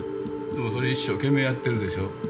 でもそれ一生懸命やってるでしょ。